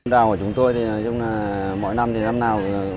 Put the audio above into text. đào của chúng tôi mỗi năm thì lắm nào